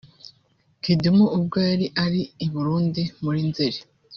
Kidumu ubwo yari ari i Burundi muri Nzeli